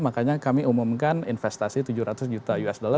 makanya kami umumkan investasi tujuh ratus juta usd